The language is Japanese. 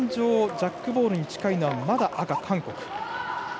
ジャックボールに近いのは、まだ赤の韓国。